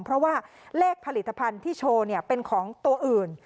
เพราะว่าเลขผลิตภัณฑ์ที่โชว์เป็นของตัวอื่น